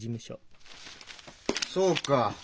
そうか。